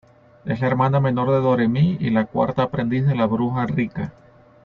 Es la hermana menor de Doremi y la cuarta aprendiz de la bruja Rika.